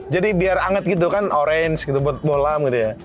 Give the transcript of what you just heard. jadi biar anget gitu kan orange gitu buat bohlam gitu ya